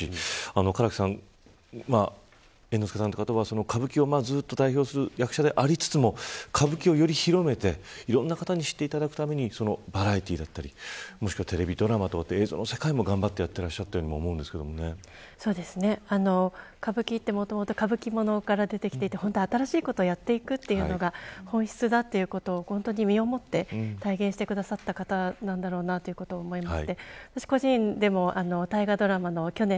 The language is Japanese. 唐木さん、猿之助さんは歌舞伎をずっと代表する役者でありつつも歌舞伎をより広めていろんな方に知っていただくためにバラエティーだったりテレビドラマ映像の世界も頑張っていらっしゃると歌舞伎はもともとかぶき者から出てきていて新しいことをやっていくというのが本質だということを思って体現してくださった方だろうなと思います。